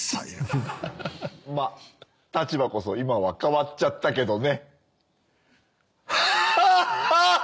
まあ立場こそ今は変わっちゃったけどね。